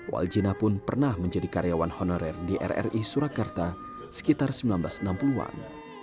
waljina pun pernah menjadi karyawan honorer di rri surakarta sekitar seribu sembilan ratus enam puluh an